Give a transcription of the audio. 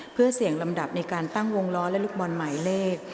เพื่อเสี่ยงลำดับในการตั้งวงล้อและลูกบอลหมายเลข